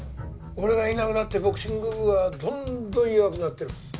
俺がいなくなってボクシング部はどんどん弱くなってる。